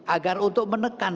agar untuk menekan